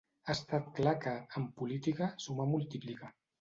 Ha estat clar que, en política, sumar multiplica.